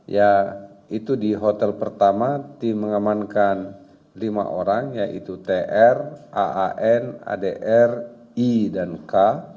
ya itu di hotel pertama tim mengamankan lima orang yaitu tr aan adr i dan k